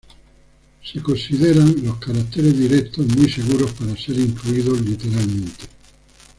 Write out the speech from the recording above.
Los caracteres directos son considerados muy seguros para ser incluidos literalmente.